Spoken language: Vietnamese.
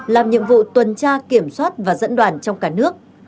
làm nhiệm vụ tuần tra kiểm soát và dẫn đoàn trong cả nước